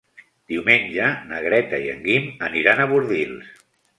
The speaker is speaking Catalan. Diumenge na Greta i en Guim aniran a Bordils.